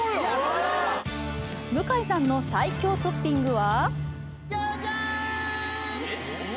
向井さんの最強トッピングは？